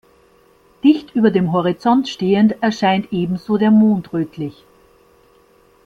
Dicht über dem Horizont stehend erscheint ebenso der Mond rötlich.